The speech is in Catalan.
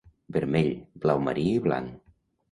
Vermell, blau marí i blanc.